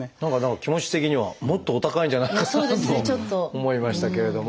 気持ち的にはもっとお高いんじゃないかなと思いましたけれども。